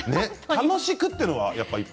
楽しくというのが。